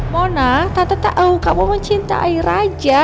mona tante tahu kamu mencintai raja